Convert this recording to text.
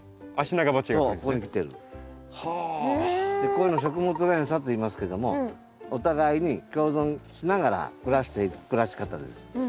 こういうのを食物連鎖といいますけどもお互いに共存しながら暮らしていく暮らし方です。